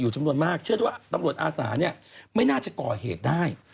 เชื่อด้วยว่าตำรวจอาสาไม่น่าจะก่อเหตุได้